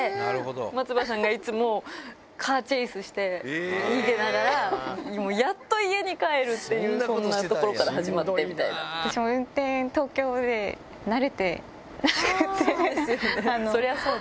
松葉さんがいつも、カーチェイスして、逃げながら、もうやっと家に帰るっていう、そんなところから始まってみたい私、運転が東京で慣れてなくそりゃあそうだ。